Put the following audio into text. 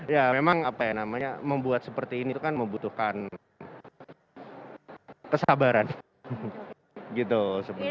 ya memang apa ya namanya membuat seperti ini kan membutuhkan kesabaran gitu sebenarnya